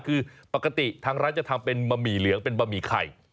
คือปกติทางร้านจะทำเป็นบะหมี่เหลืองเป็นบะหมี่ไข่